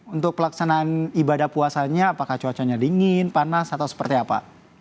untuk pelaksanaan ibadah puasanya apakah cuacanya dingin panas atau seperti apa